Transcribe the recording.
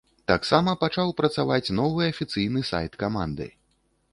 Таксама пачаў працаваць новы афіцыйны сайт каманды.